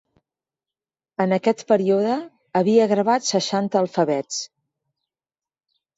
En aquest període, havia gravat seixanta alfabets.